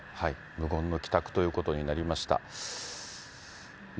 無言の帰宅ということになりました。